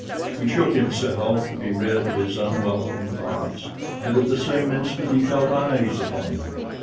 He shook himself to be rid of his unwelcome thoughts, and at the same instant he felt eyes upon him.